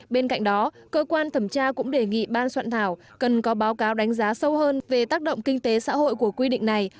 bên cạnh đó cơ quan thẩm tra cũng đề nghị ban soạn thảo cần có báo cáo đánh giá sâu hơn về tác động kinh tế xã hội của quy định này